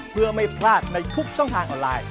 เพื่อไม่พลาดในทุกช่องทางออนไลน์